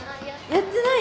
やってない。